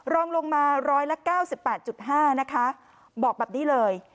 รองลงมา๑๙๘๕นะคะบอกแบบนี้เลย